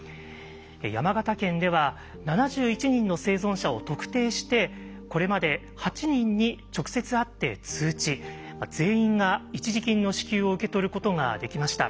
山形県では７１人の生存者を特定してこれまで８人に直接会って通知全員が一時金の支給を受け取ることができました。